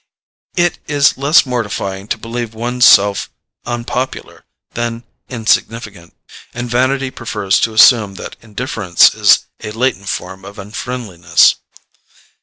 It is less mortifying to believe one's self unpopular than insignificant, and vanity prefers to assume that indifference is a latent form of unfriendliness.